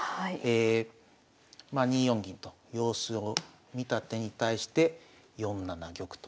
まあ２四銀と様子を見た手に対して４七玉と。